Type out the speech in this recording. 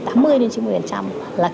là kiêm nghiệm